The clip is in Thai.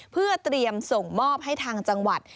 เพื่อเตรียมส่งมอบให้ทางจังหวัด